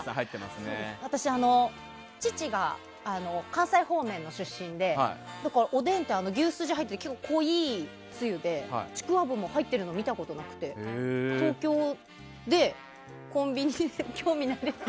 私は父が関西方面出身でだから、おでんは牛筋が入ってて濃いつゆでちくわぶも入ってるのを見たことがなくて東京でコンビニで興味ないですか？